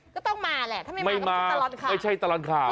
ก็ต้องมาแหละถ้าไม่มาก็ไม่ใช่ตลอดข่าว